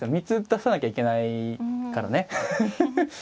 ３つ出さなきゃいけないからねハハハ。